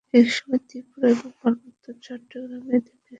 একসময় ত্রিপুরা এবং পার্বত্য চট্টগ্রামেও এদের বিস্তার ছিল।